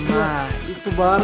ya mau gak